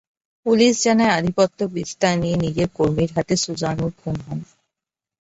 Police জানায়, আধিপত্য বিস্তার নিয়ে নিজের কর্মীর হাতে সুজানুর খুন হন।